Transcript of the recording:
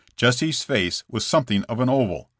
Jesse's face was something of an oval.